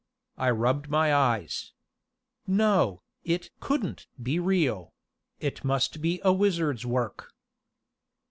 I rubbed my eyes. No, it couldn't be real it must be a wizard's work!